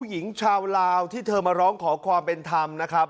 หญิงชาวลาวที่เธอมาร้องขอความเป็นธรรมนะครับ